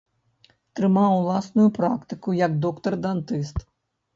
Трымаў уласную практыку як доктар-дантыст.